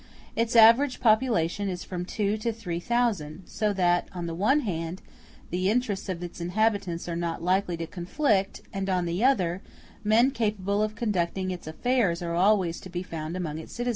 Its average population is from two to three thousand; *a so that, on the one hand, the interests of its inhabitants are not likely to conflict, and, on the other, men capable of conducting its affairs are always to be found among its citizens.